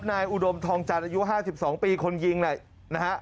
อุดมทองจันทร์อายุ๕๒ปีคนยิงเนี่ยนะฮะ